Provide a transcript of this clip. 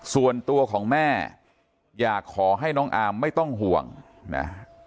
ส่วนตัวของแม่อยากขอให้น้องอาร์มไม่ต้องห่วงนะ